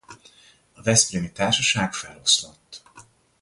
A veszprémi társaság feloszlott.